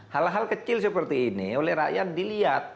hal hal kecil seperti ini oleh rakyat dilihat